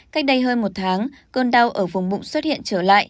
cách đây hơn một tháng cơn đau ở vùng bụng xuất hiện trở lại